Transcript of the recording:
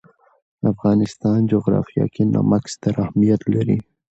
د افغانستان جغرافیه کې نمک ستر اهمیت لري.